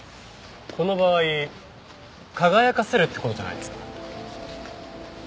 この場合輝かせるって事じゃないですか？